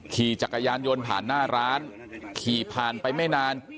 ขี่จักรยานยนต์ผ่านหน้าร้านขี่ผ่านไปไม่นาน